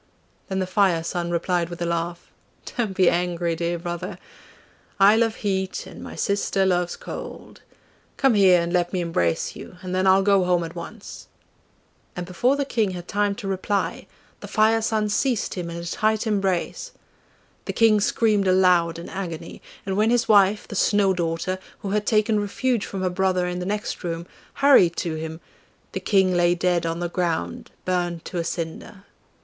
Then the Fire son replied with a laugh, 'Don't be angry, dear brother! I love heat and my sister loves cold come here and let me embrace you, and then I'll go home at once.' And before the King had time to reply, the Fire son seized him in a tight embrace. The King screamed aloud in agony, and when his wife, the Snow daughter, who had taken refuge from her brother in the next room, hurried to him, the King lay dead on the ground burnt to a cinder.